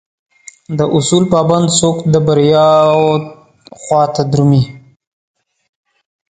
داصول پابند څوک دبریاوخواته درومي